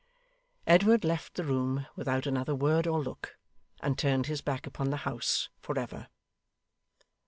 Edward left the room without another word or look, and turned his back upon the house for ever.